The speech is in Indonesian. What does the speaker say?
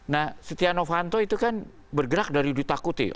nah setia novanto itu kan bergerak dari ditakuti